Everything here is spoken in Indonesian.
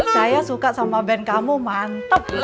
saya suka sama band kamu mantep